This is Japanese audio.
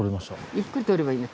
ゆっくり撮ればいいね。